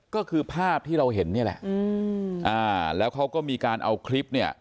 ก็คือภาพที่เราเห็นนี่แหละแล้วเขาก็มีการเอาคลิปเนี่ย